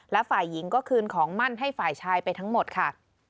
และฝ่ายหญิงก็คืนของมั่นให้ฝ่ายชายไปทั้งหมดค่ะ